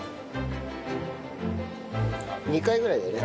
２回ぐらいだよね。